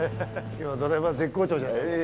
今日はドライバー絶好調じゃないですか。